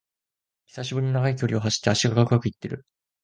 久しぶりに長い距離を走って脚がガクガクいってる